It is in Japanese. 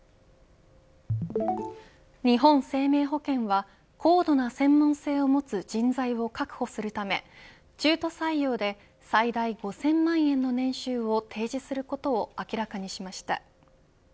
日本生命保険は高度な専門性を持つ人材を確保するため中途採用で最大５０００万円の年収を提示することを明らかにしました。